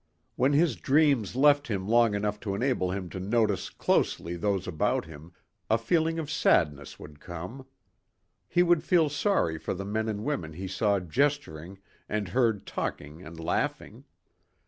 When his dreams left him long enough to enable him to notice closely those about him, a feeling of sadness would come. He would feel sorry for the men and women he saw gesturing and heard talking and laughing.